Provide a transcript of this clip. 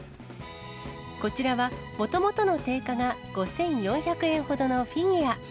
こちらは、もともとの定価が５４００円ほどのフィギュア。